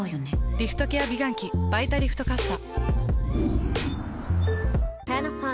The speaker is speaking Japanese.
リフトケア美顔器「バイタリフトかっさ」。